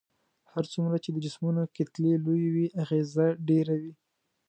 هر څومره چې د جسمونو کتلې لويې وي اغیزه ډیره وي.